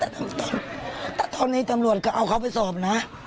ถ้าตอนนี้ตำรวจก็เอาเขาไปสอบนะ